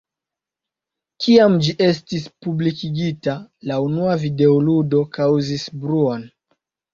Kiam ĝi estis publikigita, la unua videoludo kaŭzis bruon.